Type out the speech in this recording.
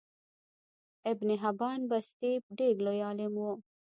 ابن حبان بستي ډیر لوی عالم وو